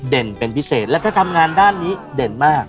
เด่นเป็นพิเศษและถ้ายังได้ด้านนี้เด่นมาก